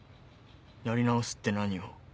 やり直すって何を？